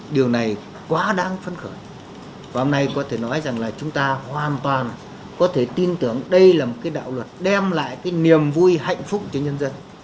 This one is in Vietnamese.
đây là một đạo luật đem lại niềm vui hạnh phúc cho nhân dân